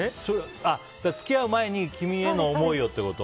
付き合う前に君への思いをってこと？